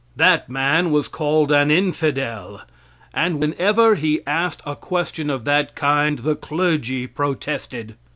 That man was called an infidel. And whenever he asked a question of that kind, the clergy protested.